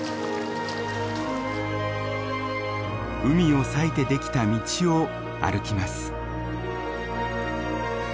海を裂いて出来た道を歩きます。